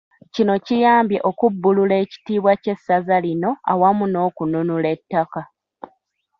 Kino kiyambye okubbulula ekitiibwa ky'essaza lino awamu n'okununula ettaka.